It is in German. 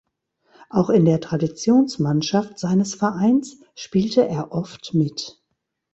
Auch in der Traditionsmannschaft seines Vereins spielte er oft mit.